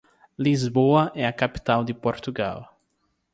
Lisboa é a capital de Portugal.